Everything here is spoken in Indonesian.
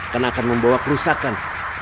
karena akan membawa kerusakan